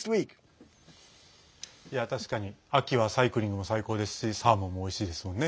確かに秋はサイクリングも最高ですしサーモンもおいしいですもんね。